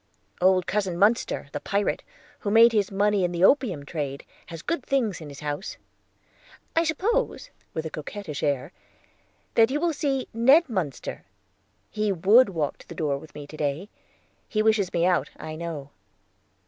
"Old Cousin Munster, the pirate, who made his money in the opium trade, has good things in his house. I suppose," with a coquettish air, "that you will see Ned Munster; he would walk to the door with me to day. He wishes me out, I know."